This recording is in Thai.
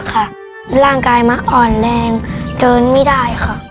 หลังกายอ่อนแรงเดินไม่ได้